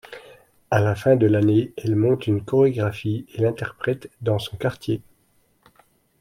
À la fin de l'année, elle monte une chorégraphie et l'interprète dans son quartier.